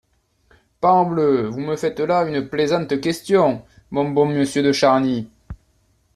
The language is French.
Parbleu ! vous me faites là une plaisante question, mon bon monsieur de Charny.